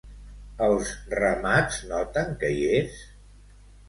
Els ramats noten que hi és?